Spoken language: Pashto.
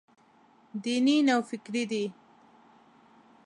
دیني نوفکري دی.